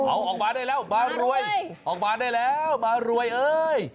เอาออกมาได้แล้วมารวยออกมาได้แล้วมารวยเอ้ย